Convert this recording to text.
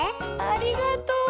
ありがとう。